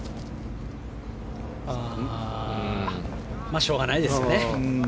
しょうがないですね。